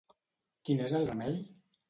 Quin és el remei?